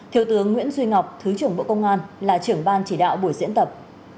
thiếu tướng nguyễn duy ngọc thứ trưởng bộ công an là trưởng ban chỉ đạo buổi diễn tập